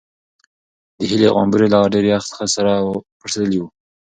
د هیلې غومبوري له ډېر یخ څخه سره او پړسېدلي وو.